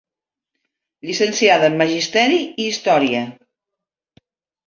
Llicenciada en Magisteri i història.